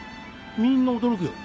みんな驚くよ。